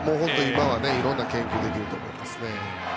今はいろんな研究ができると思いますね。